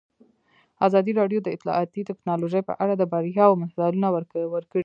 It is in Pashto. ازادي راډیو د اطلاعاتی تکنالوژي په اړه د بریاوو مثالونه ورکړي.